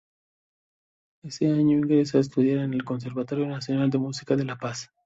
Ese año ingresa a estudiar en el Conservatorio Nacional de Música de La Paz.